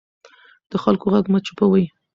د خلکو غږ مه چوپوئ